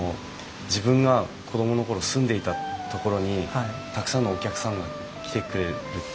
自分が子供の頃住んでいた所にたくさんのお客さんが来てくれるって。